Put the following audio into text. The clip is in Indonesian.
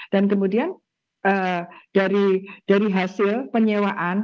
dan kemudian dari hasil penyewaan